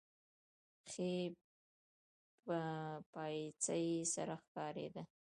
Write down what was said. ښۍ پايڅه يې سره ښکارېده.